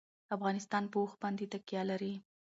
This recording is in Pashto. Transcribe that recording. افغانستان په اوښ باندې تکیه لري.